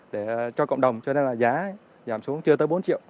để cho cộng đồng cho nên là giá giảm xuống chưa tới bốn triệu